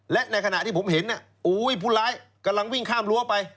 และในขณะที่ผมเห็นผู้ร้ายกำลังวิ่งข้ามรั้วไป